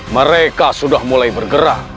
mereka sudah mulai bergerak